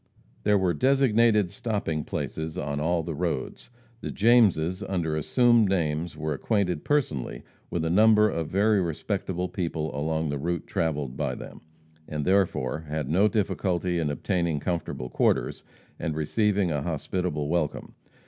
There were designated stopping places on all the roads. The Jameses under assumed names were acquainted personally with a number of very respectable people along the route travelled by them, and therefore had no difficulty in obtaining comfortable quarters and receiving a hospitable welcome.